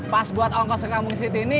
pas buat ongkos ke kampung si tini